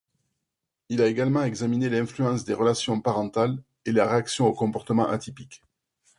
Il a également examiné l'influence des relations parentales et la réaction au comportement atypique.